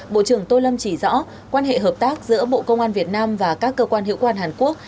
bộ trưởng tô lâm chỉ rõ quan hệ hợp tác giữa bộ công an việt nam và các cơ quan hiệu quan hàn quốc